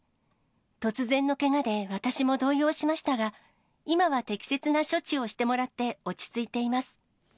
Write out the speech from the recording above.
突然のけがで私も動揺しましたが、今は適切な処置をしてもらって、落ち着いています。